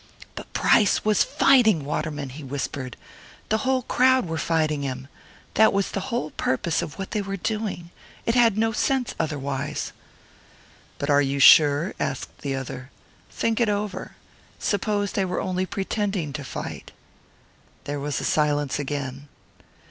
"But Price was fighting Waterman!" he whispered. "The whole crowd were fighting him! That was the whole purpose of what they were doing. It had no sense otherwise." "But are you sure?" asked the other. "Think it over. Suppose they were only pretending to fight." There was a silence again.